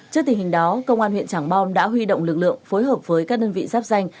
trước tình hình đó công an huyện trảng bom đã huy động lực lượng phối hợp với các đơn vị giáp danh